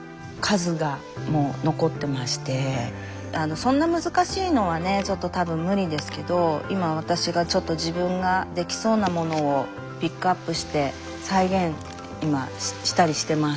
そんな難しいのはねちょっと多分無理ですけど今私がちょっと自分ができそうなものをピックアップして再現今したりしてます。